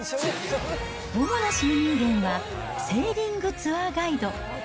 主な収入源は、セーリングツアーガイド。